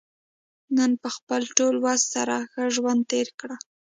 نن په خپل ټول وس سره ښه ژوند تېر کړه.